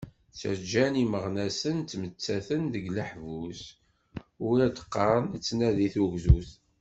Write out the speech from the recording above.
Ttaǧǧan imeɣnasen ttmettaten deg leḥbus, u ad d-qqaren nettnadi tugdut!